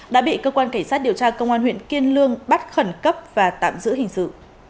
đã bị cơ quan cảnh sát điều tra công an huyện kiên lương bắt khẩn cấp và tạm giữ hình sự